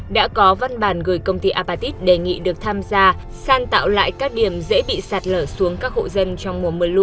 đã có văn bản gửi công ty apatit đề nghị được tham gia san tạo lại các điểm dễ bị sạt lở xuống các hộ dân trong mùa mưa lũ